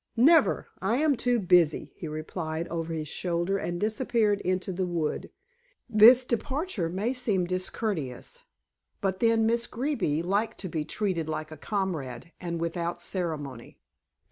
"Never! I am too busy," he replied over his shoulder and disappeared into the wood. This departure may seem discourteous, but then Miss Greeby liked to be treated like a comrade and without ceremony.